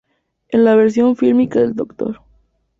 En la versión fílmica de "Dr.